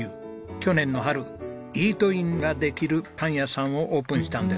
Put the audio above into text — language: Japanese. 去年の春イートインができるパン屋さんをオープンしたんです。